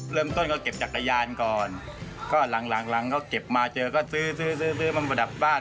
เริ่มต้นเขาเก็บจักรยานก่อนก็หลังเขาเก็บมาเจอก็ซื้อมาประดับบ้าน